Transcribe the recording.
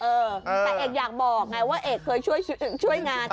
แต่เอกอยากบอกไงว่าเอกเคยช่วยงาน